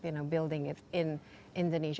berminat membangun di indonesia